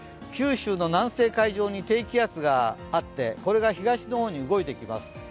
九州の南西海上に低気圧があって、これが東の方に動いてきます。